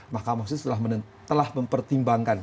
mahkamah itu telah mempertimbangkan